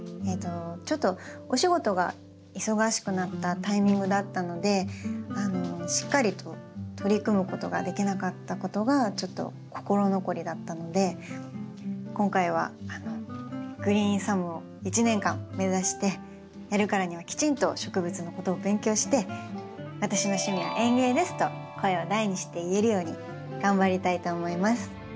ちょっとお仕事が忙しくなったタイミングだったのでしっかりと取り組むことができなかったことがちょっと心残りだったので今回はグリーンサムを一年間目指してやるからにはきちんと植物のことを勉強して「私の趣味は園芸です！」と声を大にして言えるように頑張りたいと思います。